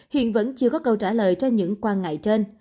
hiện vẫn chưa có câu trả lời cho những quan ngại trên